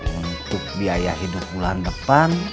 untuk biaya hidup bulan depan